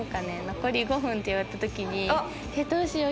「残り５分」って言われた時にどうしよう？